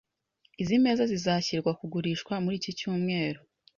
Izi meza zizashyirwa kugurishwa muri iki cyumweru .